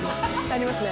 ありますね。